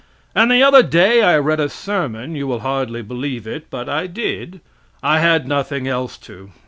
And the other day I read a sermon (you will hardly believe it, but I did); I had nothing else to.